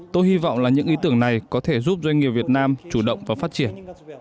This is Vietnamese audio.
tôi hy vọng là những ý tưởng này có thể giúp doanh nghiệp việt nam chủ động và phát triển